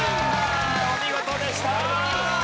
お見事でした！